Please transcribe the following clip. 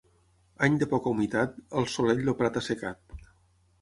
Any de poca humitat, al solell el prat assecat.